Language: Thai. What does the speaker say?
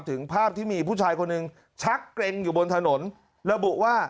ถึงภาพที่มีผู้ชายคนหนึ่งชักเกร็งอยู่บนถนนระบุว่า